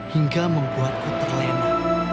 hingga membuatku terlena